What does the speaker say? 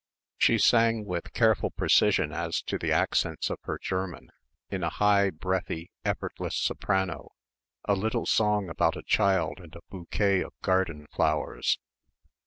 She sang, with careful precision as to the accents of her German, in a high breathy effortless soprano, a little song about a child and a bouquet of garden flowers.